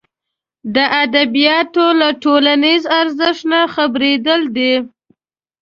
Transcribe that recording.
د ادبیاتو له ټولنیز ارزښت نه خبرېدل دي.